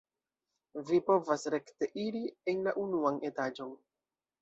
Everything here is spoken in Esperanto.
Vi povas rekte iri en la unuan etaĝon.